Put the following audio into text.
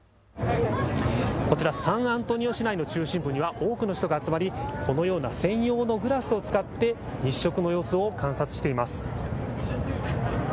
こちらサンアントニオ市内の中心部には多くの人が集まりこのような専用のグラスを使って日食の様子を観察しています。